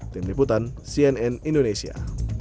tim liputan cnn indonesia